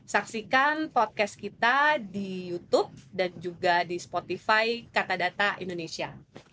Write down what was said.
saksikan podcast kita di youtube dan juga di spotify kata data indonesia